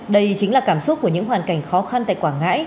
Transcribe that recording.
đây chính là cảm xúc của những hoàn cảnh khó khăn tại quảng ngãi